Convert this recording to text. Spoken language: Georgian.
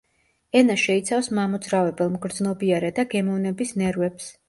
ენა შეიცავს მამოძრავებელ, მგრძნობიარე და გემოვნების ნერვებს.